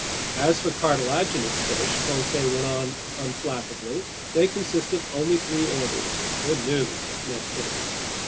"As for cartilaginous fish," Conseil went on unflappably, "they consist of only three orders." "Good news," Ned put in.